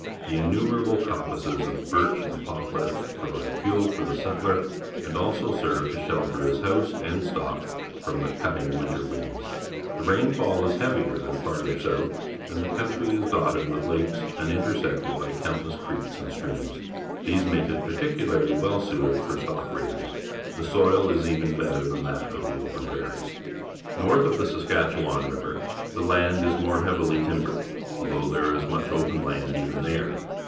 The innumerable coppices of birch and poplar pro\'ide fuel for the settler, and also serve to shelter his house and stock from the cutting ^ inter winds. The rainfall is hea\ier than farther south, and the country is dotted with lakes and intersected bj^ count less creeks and streams. These make it particularly well suited for stock raising. The soil is even better than that of the open pi'airies. North of the Saskatchewan RiA'er, the land is more hea^'ih^ timbered, although there is much open land even there.